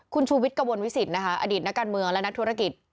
คุณชูวิทย์กระมวลวิสิตนะคะอดีตนักการเมืองและนักธุรกิจ